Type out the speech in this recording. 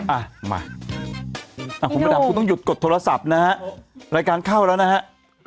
อ่ะมาคุณพระดำคุณต้องหยุดกดโทรศัพท์นะฮะรายการเข้าแล้วนะฮะ